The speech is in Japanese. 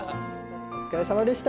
お疲れさまでした。